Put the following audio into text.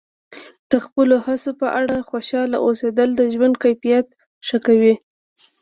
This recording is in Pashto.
د خپلو هڅو په اړه خوشحاله اوسیدل د ژوند کیفیت ښه کوي.